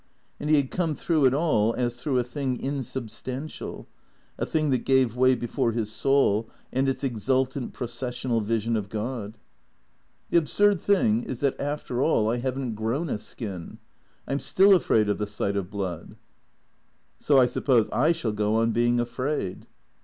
And he had come through it all as through a thing insub stantial, a thing that gave way before his soul and its exultant, processional vision of God. THE CEEATOES 215 " The absurd thing is that after all I have n't grown a skin. I 'm still afraid of the sight of blood." " So I suppose I shall go on being afraid."